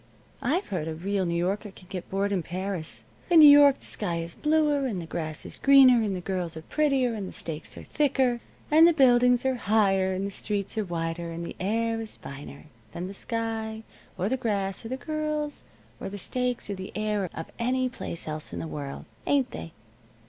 "I've heard a real New Yorker can get bored in Paris. In New York the sky is bluer, and the grass is greener, and the girls are prettier, and the steaks are thicker, and the buildings are higher, and the streets are wider, and the air is finer, than the sky, or the grass, or the girls, or the steaks, or the air of any place else in the world. Ain't they?"